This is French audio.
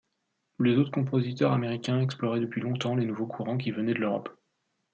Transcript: Les autres compositeurs américains exploraient depuis longtemps les nouveaux courants qui venaient de l'Europe.